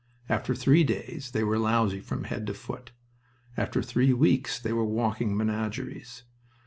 After three days they were lousy from head to foot. After three weeks they were walking menageries.